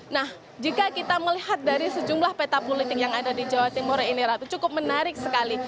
nah jika kita melihat dari sejumlah peta politik yang ada di jawa timur ini ratu cukup menarik sekali